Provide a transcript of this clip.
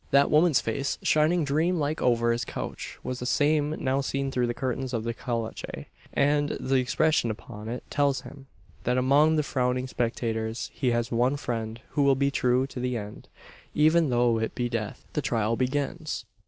That woman's face, shining dream like over his couch, was the same now seen through the curtains of the caleche; and the expression upon it tells him: that among the frowning spectators he has one friend who will be true to the end even though it be death! The trial begins.